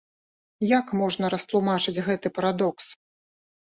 Як можна растлумачыць гэты парадокс?